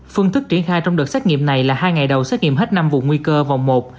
phương thức triển khai trong đợt xét nghiệm này là hai ngày đầu xét nghiệm hết năm vùng nguy cơ vòng một